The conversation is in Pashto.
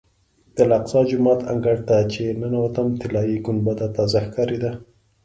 د الاقصی جومات انګړ ته چې ننوتم طلایي ګنبده تازه ښکارېده.